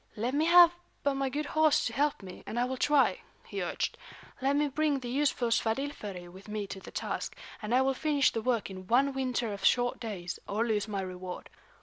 "Let me have but my good horse to help me, and I will try," he urged. "Let me bring the useful Svadilföri with me to the task, and I will finish the work in one winter of short days, or lose my reward.